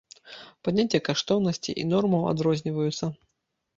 Паняцце каштоўнасцей і нормаў адрозніваюцца.